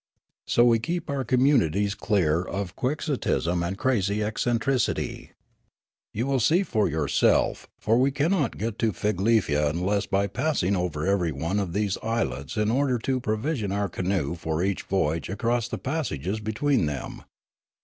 So we keep our communities clear of quixotism and crazy eccentricity. You will see each for yourself, for we cannot get to Figlefia unless by passing over every one of these islets in order to provision our canoe for each voyage across the passages between them.